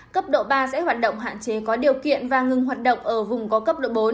cấp độ ba sẽ hoạt động hạn chế có điều kiện và ngừng hoạt động ở vùng có cấp độ bốn